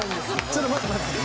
ちょっと待って。